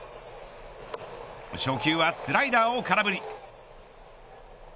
初球はスライダーを空振り。